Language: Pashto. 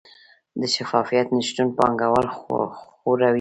د شفافیت نشتون پانګوال ځوروي؟